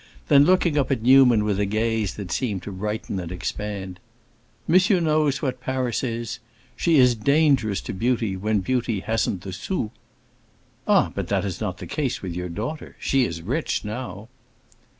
Then looking up at Newman with a gaze that seemed to brighten and expand, "Monsieur knows what Paris is. She is dangerous to beauty, when beauty hasn't the sou." "Ah, but that is not the case with your daughter. She is rich, now."